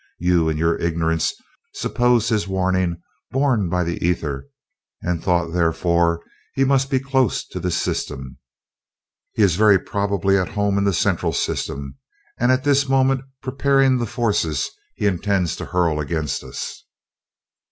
You in your ignorance supposed his warning borne by the ether, and thought therefore he must be close to this system. He is very probably at home in the Central System, and is at this moment preparing the forces he intends to hurl against us."